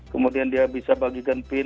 kemudian dia bisa bagikan pin